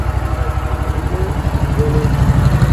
Mo lii hikki gi me jolle.